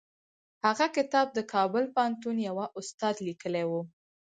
هغه کتاب د کابل پوهنتون یوه استاد لیکلی و.